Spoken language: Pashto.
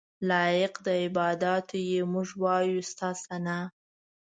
لایق د عباداتو یې موږ وایو ستا ثناء.